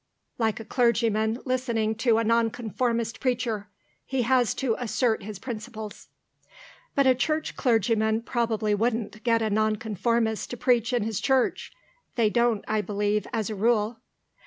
Like a clergyman listening to a Nonconformist preacher. He has to assert his principles." "But a Church clergyman probably wouldn't get a Nonconformist to preach in his church. They don't, I believe, as a rule."